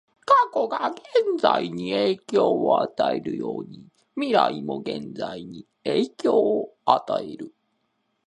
過去が現在に影響を与えるように、未来も現在に影響を与える。